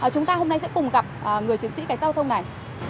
chúng ta hôm nay sẽ cùng gặp người chiến sĩ cảnh giao thông này